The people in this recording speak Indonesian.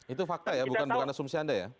itu fakta ya bukan asumsi anda ya